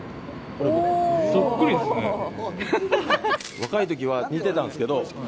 若い時は似てたんですけど。